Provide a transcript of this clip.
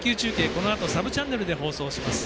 このあとサブチャンネルで放送します。